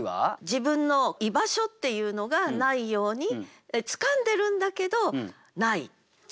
自分の居場所っていうのがないように掴んでるんだけどない。